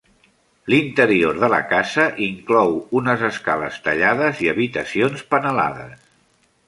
L'interior de la casa inclou unes escales tallades i habitacions panelades.